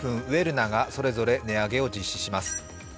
ウェルナがそれぞれ値上げを実施します。